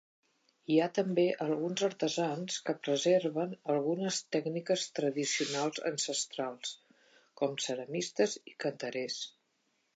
Hi ha també alguns artesans que preserven algunes tècniques tradicionals ancestrals, com ceramistes i canterers.